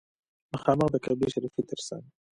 مخامخ د کعبې شریفې تر څنګ.